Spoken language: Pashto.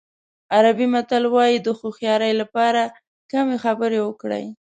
عربي متل وایي د هوښیارۍ لپاره کمې خبرې وکړئ.